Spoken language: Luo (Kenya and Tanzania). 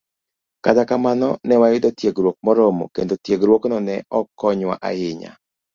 Kata kamano, ne wayudo tiegruok moromo, kendo tiegruokno ne ok konywa ahinya